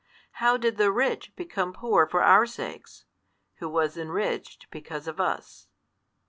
How did the Rich become poor for our sakes, who was enriched because of us?